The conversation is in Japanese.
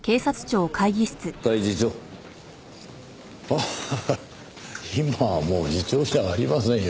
あっ今はもう次長じゃありませんよ。